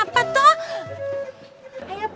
bentar kenapa tom